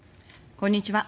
こんにちは。